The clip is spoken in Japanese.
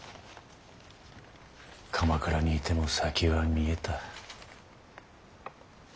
鎌倉にいても先は見えた。